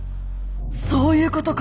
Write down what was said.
そういうことか。